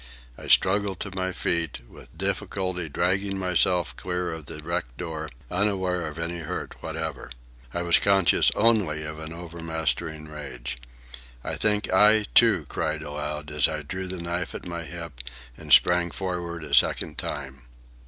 I struggled to my feet, with difficulty dragging myself clear of the wrecked door, unaware of any hurt whatever. I was conscious only of an overmastering rage. I think I, too, cried aloud, as I drew the knife at my hip and sprang forward a second time.